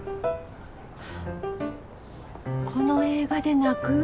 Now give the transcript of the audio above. この映画で泣く？